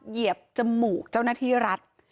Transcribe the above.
เหยียบจมูกเจ้าหน้าที่รัฐ